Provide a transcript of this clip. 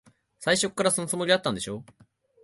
最初っから、そのつもりだったんでしょ。